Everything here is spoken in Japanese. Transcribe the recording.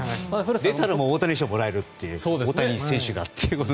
出たらもらえるっていう大谷選手が。